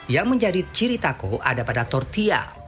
yang menjadi ciri tako ada pada tortilla